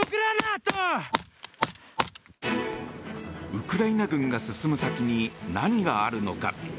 ウクライナ軍が進む先に何があるのか。